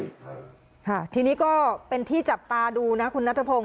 ค่ะทีนี้ก็เป็นที่จับตาดูนะคุณนัทพงศ